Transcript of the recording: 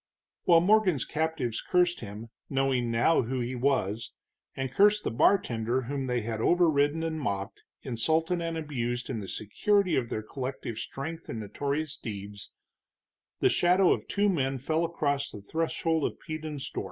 While Morgan's captives cursed him, knowing now who he was, and cursed the bartender whom they had overriden and mocked, insulted and abused in the security of their collective strength and notorious deeds, the shadow of two men fell across the threshold of Peden's door.